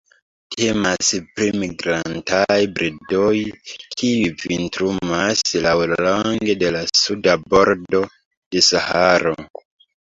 Temas pri migrantaj birdoj, kiuj vintrumas laŭlonge de la suda bordo de Saharo.